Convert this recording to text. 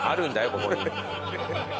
ここに。